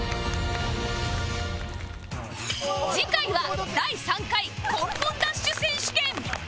次回は第３回コンコンダッシュ選手権